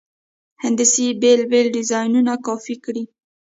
هندسي بېل بېل ډیزاینونه کاپي کړئ.